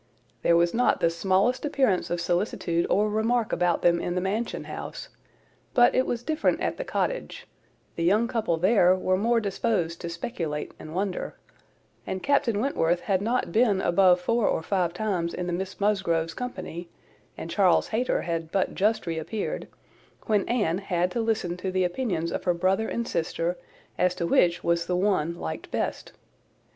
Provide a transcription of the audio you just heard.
There was not the smallest appearance of solicitude or remark about them in the Mansion house; but it was different at the Cottage: the young couple there were more disposed to speculate and wonder; and Captain Wentworth had not been above four or five times in the Miss Musgroves' company, and Charles Hayter had but just reappeared, when Anne had to listen to the opinions of her brother and sister, as to which was the one liked best.